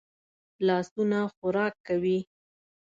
لاسونه خوراک کوي